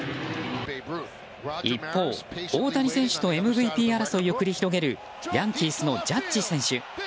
一方、大谷選手とＭＶＰ争いを繰り広げるヤンキースのジャッジ選手。